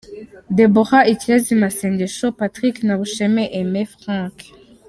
Deborha Ikirezi Masengesho Patrick na Bushema Aime Frank .